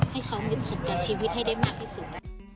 ให้เขามีผลต่อชีวิตให้ได้มากที่สุด